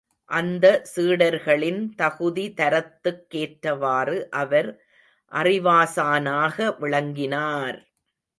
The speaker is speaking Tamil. அந்த சீடர்களின் தகுதி, தரத்துக் கேற்றவாறு அவர் அறிவாசானாக விளங்கினார்!